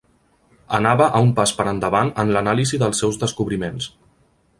Anava un pas per endavant en l'anàlisi dels seus descobriments.